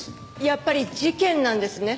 やっぱり事件なんですね。